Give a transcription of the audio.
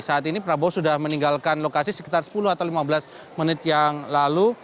saat ini prabowo sudah meninggalkan lokasi sekitar sepuluh atau lima belas menit yang lalu